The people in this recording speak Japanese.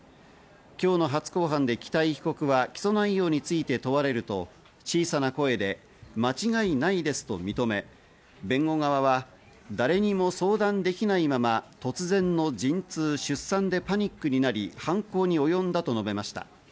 今日の初公判で北井被告は起訴内容について問われると小さな声で間違いないですと認め、弁護側は誰にも相談できないまま、突然の陣痛・出産でパニックになり、犯行におよんだと述べました。